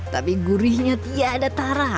tapi gurihnya tiada tara